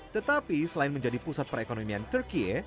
tetapi selain menjadi pusat perekonomian turkiye